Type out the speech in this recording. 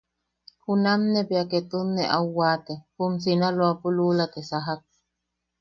Junam ne bea ketun ne au waate, jum Sinaloapo luula te sajak.